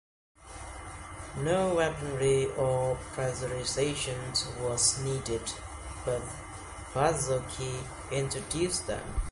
No weaponry or pressurization was needed, but Bazzocchi introduced them.